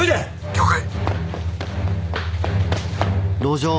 了解。